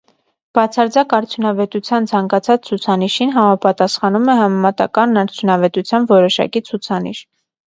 Բացարձակ արդյունավետության ցանկացած ցուցանիշին համապատասխանում է համեմատական արդյունավետության որոշակի ցուցանիշ։